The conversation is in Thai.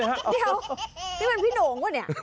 เดี๋ยวนี่มันพี่โหน่งหรือเปล่า